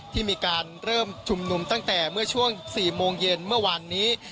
ที่มีการเริ่มชุมนุมตั้งแต่เมื่อช่วง๔โมงเย็นเมื่อวานนี้